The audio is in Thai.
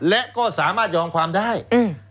แล้วเขาก็ใช้วิธีการเหมือนกับในการ์ตูน